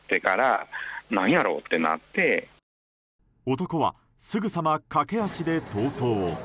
男はすぐさま駆け足で逃走。